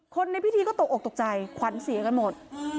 ในพิธีก็ตกออกตกใจขวัญเสียกันหมด